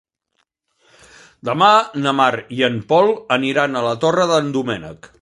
Demà na Mar i en Pol aniran a la Torre d'en Doménec.